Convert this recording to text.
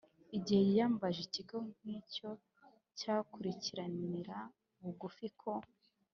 igihe yiyambaje ikigo nk’icyo cyakurikiranira bugufi ko